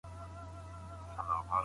لږ خیرنه،